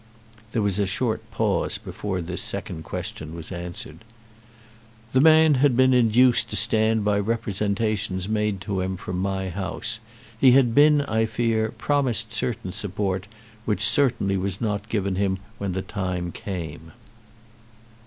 There was a short pause before this second question was answered. "The man had been induced to stand by representations made to him from my house. He had been, I fear, promised certain support which certainly was not given him when the time came."